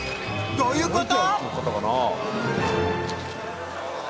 どういうこと！？